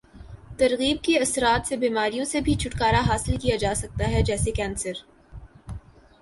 ترغیب کے اثرات سے بیماریوں سے بھی چھٹکارا حاصل کیا جاسکتا ہے جیسے کینسر